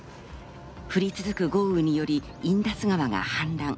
降り続く豪雨によりインダス川が氾濫。